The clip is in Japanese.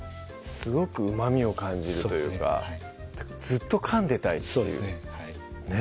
すごくうまみを感じるというかずっとかんでたいそうですね